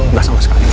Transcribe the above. nggak sama sekali